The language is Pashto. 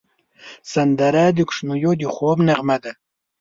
سندره د کوچنیو د خوب نغمه ده